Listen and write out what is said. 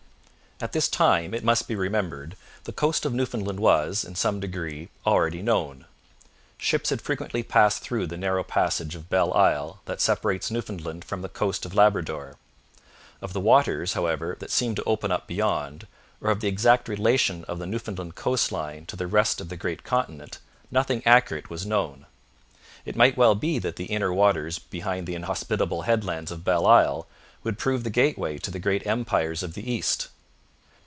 At this time, it must be remembered, the coast of Newfoundland was, in some degree, already known. Ships had frequently passed through the narrow passage of Belle Isle that separates Newfoundland from the coast of Labrador. Of the waters, however, that seemed to open up beyond, or of the exact relation of the Newfoundland coastline to the rest of the great continent nothing accurate was known. It might well be that the inner waters behind the inhospitable headlands of Belle Isle would prove the gateway to the great empires of the East.